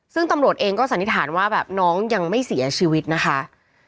ซึ่งตำรวจเองก็สันนิษฐานว่าแบบน้องยังไม่เสียชีวิตนะคะ